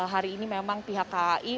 hari ini memang pihak kai